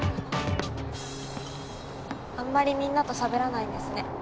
あんまりみんなとしゃべらないんですね。